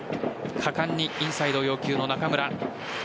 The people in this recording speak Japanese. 果敢にインサイドを要求の中村。